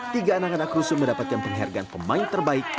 tiga anak anak rusun mendapatkan penghargaan pemain terbaik